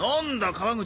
川口。